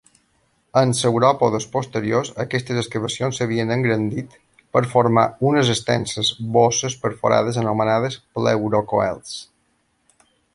En sauròpodes posteriors, aquestes excavacions s'havien engrandit per formar unes extenses bosses perforades anomenades "pleurocoels".